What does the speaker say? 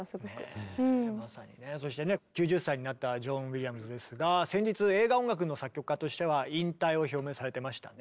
そしてね９０歳になったジョン・ウィリアムズですが先日映画音楽の作曲家としては引退を表明されてましたね。